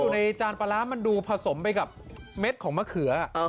ในจานปลาร้ามันดูผสมไปกับเม็ดของมะเขือ